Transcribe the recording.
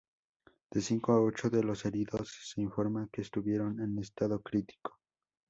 De cinco a ocho de los heridos se informa que estuvieron en estado crítico.